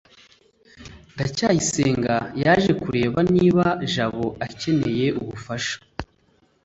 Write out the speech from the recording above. ndacyayisenga yaje kureba niba jabo akeneye ubufasha